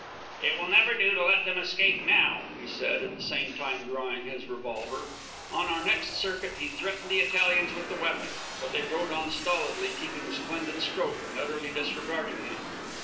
"It will never do to let them escape now," he said, at the same time drawing his revolver. On our next circuit, he threatened the Italians with the weapon; but they rowed on stolidly, keeping splendid stroke and utterly disregarding him.